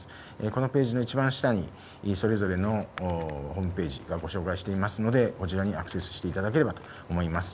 このページの一番下にそれぞれのホームページご紹介していますので、こちらにアクセスしていただければと思います。